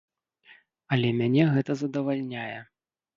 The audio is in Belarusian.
Але мяне гэта задавальняе.